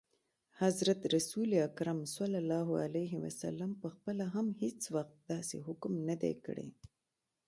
حضرت رسول اکرم ص پخپله هم هیڅ وخت داسي حکم نه دی کړی.